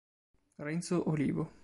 Renzo Olivo